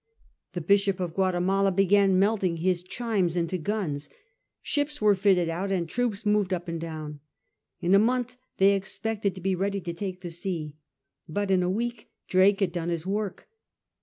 The Bishop of Guatemala began melting his chimes into guns, ships were fitted out and troops moved up and down. In a month they expected to be ready to take the sea, but in a week Drake had done his work.